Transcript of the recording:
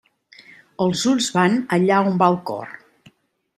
Els ulls van allà on va el cor.